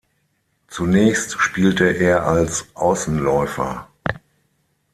Zunächst spielte er als Außenläufer.